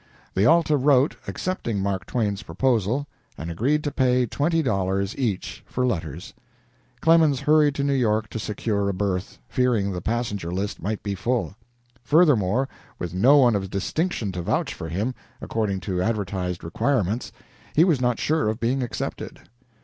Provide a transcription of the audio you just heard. The "Alta" wrote, accepting Mark Twain's proposal, and agreed to pay twenty dollars each for letters. Clemens hurried to New York to secure a berth, fearing the passenger list might be full. Furthermore, with no one of distinction to vouch for him, according to advertised requirements, he was not sure of being accepted.